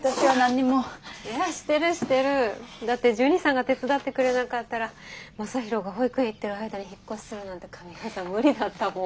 だってジュニさんが手伝ってくれなかったら将大が保育園行ってる間に引っ越しするなんて神業無理だったもん。